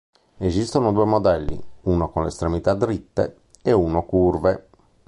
Ne esistono due modelli, uno con le estremità dritte e uno curve.